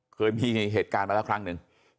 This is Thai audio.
เคยมีเหตุการณ์มาแล้วครั้งหนึ่ง